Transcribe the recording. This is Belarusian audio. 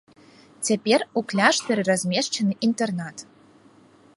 Цяпер у кляштары размешчаны інтэрнат.